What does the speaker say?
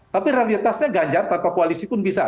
tapi realitasnya ganjar tanpa koalisi pun bisa